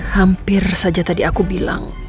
hampir saja tadi aku bilang